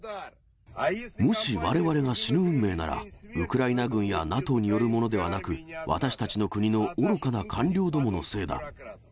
もしわれわれが死ぬ運命なら、ウクライナ軍やＮＡＴＯによるものではなく、私たちの国のおろかな官僚どものせいだ。